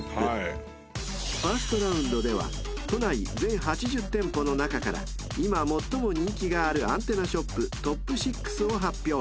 ［ファーストラウンドでは都内全８０店舗の中から今最も人気があるアンテナショップトップ６を発表］